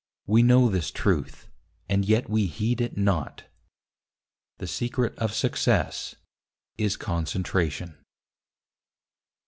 We know this truth, and yet we heed it not: The secret of success is Concentration.